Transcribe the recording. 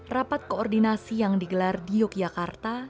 rapat koordinasi yang digelar di yogyakarta